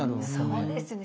そうですね